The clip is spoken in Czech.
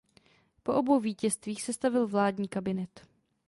Po obou vítězstvích sestavil vládní kabinet.